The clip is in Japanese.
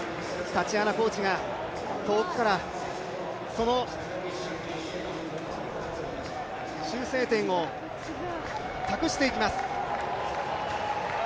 タチアナコーチが遠くからその修正点を託していきます。